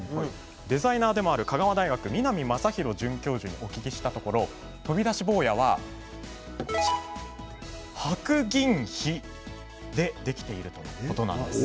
デザイナーでもある香川大学南政宏准教授にお聞きしたところ飛び出し坊やは白銀比でできているということなんです。